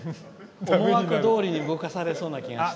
思惑どおりに動かされそうな気がして。